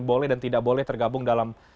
boleh dan tidak boleh tergabung dalam